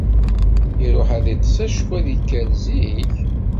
Iṛuḥ ad iṭṭes acku ad ikker zik.